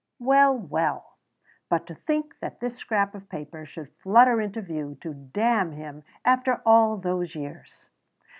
Well, well! but to think that this scrap of paper should flutter into view to damn him after all those years!